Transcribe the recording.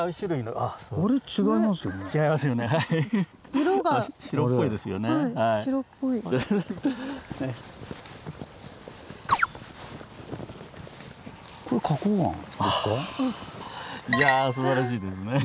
あぁいやすばらしいですね。